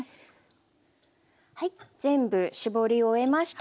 全部搾り終えました。